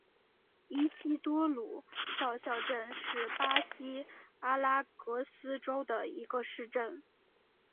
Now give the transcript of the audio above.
伊西多鲁少校镇是巴西阿拉戈斯州的一个市镇。